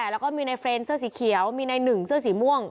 แล้วก็มีในเฟรนเสื้อสีเขียวมีในหนึ่งเสื้อสีม่วง